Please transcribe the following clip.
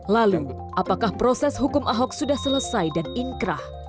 lalu apakah proses hukum ahok sudah selesai dan inkrah